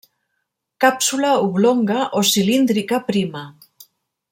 Càpsula oblonga o cilíndrica prima.